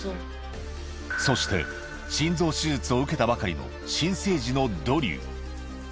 そして心臓手術を受けたばかりの新生児のドリュー。